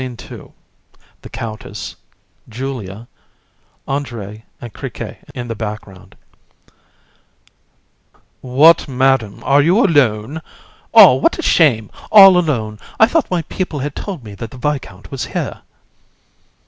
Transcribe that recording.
SCENE II. THE COUNTESS, JULIA; ANDRÉE and CRIQUET in the background. COUN. What, Madam, are you alone? Ah! what a shame! All alone! I thought my people had told me that the Viscount was here.